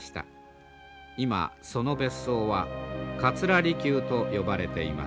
今その別荘は桂離宮と呼ばれています。